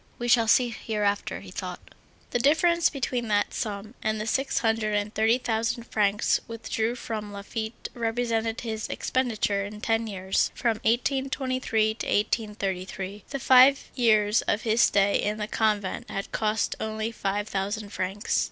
—"We shall see hereafter," he thought. The difference between that sum and the six hundred and thirty thousand francs withdrawn from Laffitte represented his expenditure in ten years, from 1823 to 1833. The five years of his stay in the convent had cost only five thousand francs.